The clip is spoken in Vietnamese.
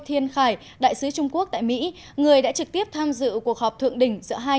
thiên khải đại sứ trung quốc tại mỹ người đã trực tiếp tham dự cuộc họp thượng đỉnh giữa hai